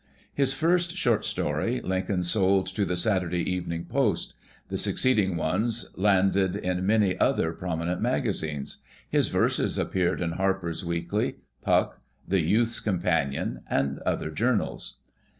His first short story Lincoln sold to the Saturday Evening Post ; the succeeding ones landed in many other prominent magazines. His verses appeared in Harper's Weekly, Puck, The Youth's Cojupanion and other journals.